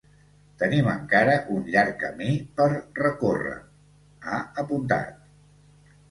Tenim encara un llarg camí per recórrer, ha apuntat.